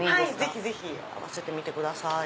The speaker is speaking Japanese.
ぜひぜひ合わせてみてください。